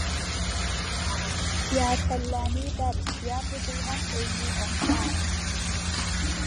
يا سەللىنى بەر، يا بۇزۇلغان ئۆينى ئوڭشا.